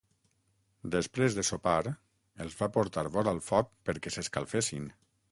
Després de sopar, els va portar vora el foc perquè s'escalfessin.